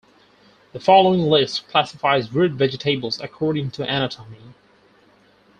The following list classifies root vegetables according to anatomy.